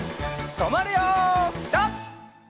とまるよピタ！